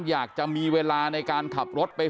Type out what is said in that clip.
อยากจะมีเวลาในการขับรถไป